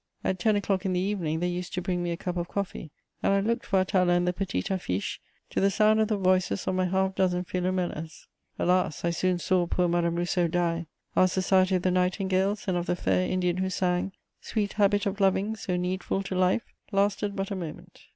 At ten o'clock in the evening, they used to bring me a cup of coffee, and I looked for Atala in the Petites Affiches, to the sound of the voices of my half dozen Philomelas. Alas! I soon saw poor Madame Rousseau die; our society of the nightingales and of the fair Indian who sang, "Sweet habit of loving, so needful to life!" lasted but a moment.